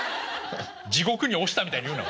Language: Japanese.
地獄に落ちたみたいに言うな。